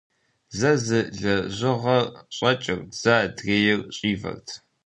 Зэ зы лъэрыжэр щӀэкӀырт, зэ адрейр щӀивэрт.